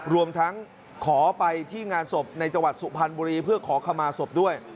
รวมทั้งขอไปที่งานศพในจังหวัดสุพรรณบุรีเพื่อขอขมาศพด้วย